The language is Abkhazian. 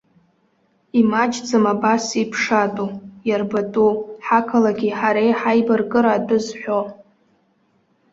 Имаҷӡам абас иԥшаатәу, иарбатәу, ҳақалақьи ҳареи ҳаибаркыра атәы зҳәо.